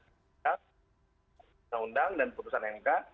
pemilu yang diundang dan putusan nk